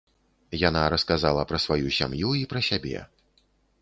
Яна расказала пра сваю сям'ю і пра сябе.